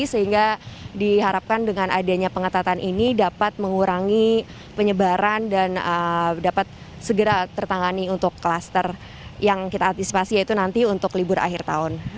sehingga diharapkan dengan adanya pengetatan ini dapat mengurangi penyebaran dan dapat segera tertangani untuk kluster yang kita antisipasi yaitu nanti untuk libur akhir tahun